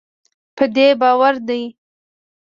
په دې باور دی